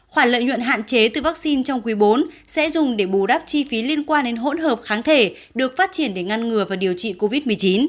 khoản lợi nhuận hạn chế từ vaccine trong quý bốn sẽ dùng để bù đắp chi phí liên quan đến hỗn hợp kháng thể được phát triển để ngăn ngừa và điều trị covid một mươi chín